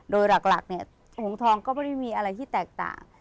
โดยหลักเนี่ยหงทองก็ไม่ได้มีอะไรที่แตกต่าง